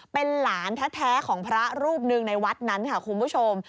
เป็นหลานแท้ของพระรูปหนึ่งในวัดนั้นค่ะคุณผู้ชม